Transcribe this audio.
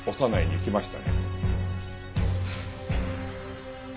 行きました。